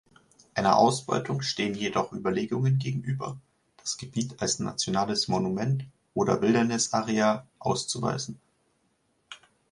Einer Ausbeutung stehen jedoch Überlegungen gegenüber, das Gebiet als nationales Monument oder Wilderness-Area auszuweisen.